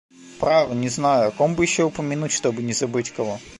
Право, не знаю, о ком бы еще упомянуть, чтобы не забыть кого.